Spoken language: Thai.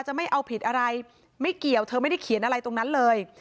ไม่เอาผิดอะไรไม่เกี่ยวเธอไม่ได้เขียนอะไรตรงนั้นเลย